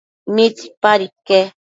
¿midapad iquec?